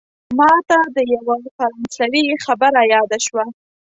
ماته د یوه فرانسوي خبره یاده شوه.